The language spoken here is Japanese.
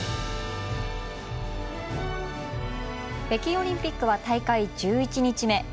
北京オリンピックは大会１１日目。